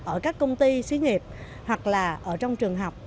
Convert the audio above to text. ở các công ty xí nghiệp hoặc là ở trong trường học